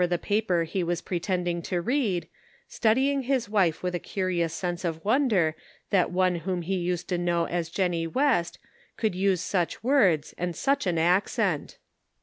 the paper he was pretending to read, studying his wife with a curious sense of wonder that one whom he used to know as Jennie West could use such words and such an accent.